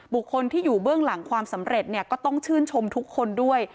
บุคคลที่อยู่เบื้องหลังความสำเร็จเนี่ยก็ต้องชื่นชมทุกคนด้วย